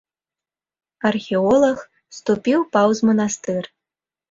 Археолаг ступіў паўз манастыр.